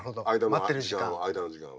待ってる時間。